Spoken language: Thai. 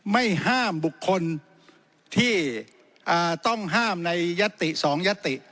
ไม่ห้ามบุคคลที่ต้องห้ามในยัตติ๒ยัตติ